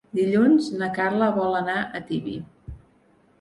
Dilluns na Carla vol anar a Tibi.